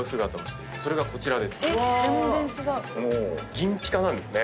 銀ピカなんですね。